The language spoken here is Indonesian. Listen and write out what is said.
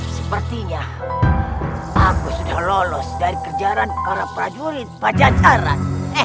sepertinya aku sudah lolos dari kerjaan para prajurit pajacaran